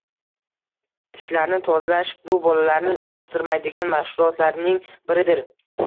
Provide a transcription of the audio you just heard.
Tishlarni tozalash – bu bolalarni qiziqtirmaydigan mashg‘ulotlarning biridir.